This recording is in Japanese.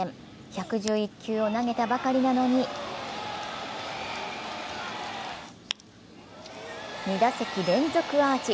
１１１球を投げたばかりなのに、２打席連続アーチ。